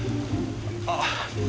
あっ。